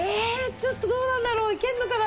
ちょっとどうなんだろう？いけるのかな？